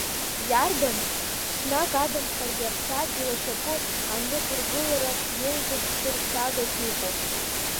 Иарбан, ҽнак адамхаргьы аԥсадгьыл ашьапы анықәыргылара иеиӷьу ԥсыршьагас иҟоу!